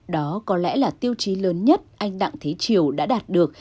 đó có lẽ là tiêu chí lớn nhất anh đặng thế triều đã đạt được